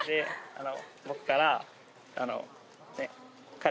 あの。